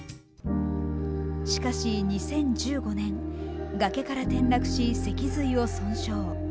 しかし、２０１５年、崖から転落し、脊髄を損傷。